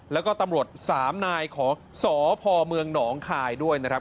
แล้วก็ตำรวจ๓นายของสพเมืองหนองคายด้วยนะครับ